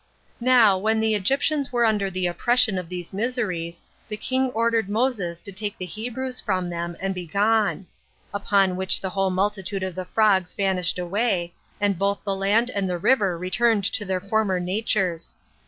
Now, when the Egyptians were under the oppression of these miseries, the king ordered Moses to take the Hebrews with him, and be gone. Upon which the whole multitude of the frogs vanished away; and both the land and the river returned to their former natures.